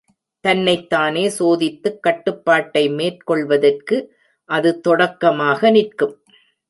தன்னைத் தானே சோதித்துக் கட்டுப்பாட்டை மேற்கொள்வதற்கு அது தொடக்கமாக நிற்கும்.